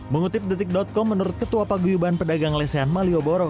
mengutip detik com menurut ketua paguyuban pedagang lesen malioboro